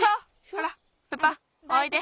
ほらプパおいで。